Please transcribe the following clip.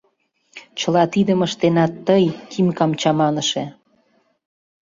— Чыла тидым ыштенат тый, Тимкам чаманыше!